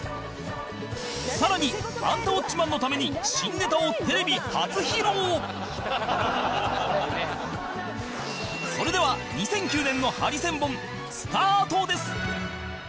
さらに『アンタウォッチマン！』のためにそれでは２００９年のハリセンボンスタートです